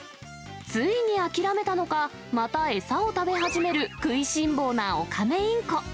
ついに諦めたのか、また餌を食べ始める食いしん坊なオカメインコ。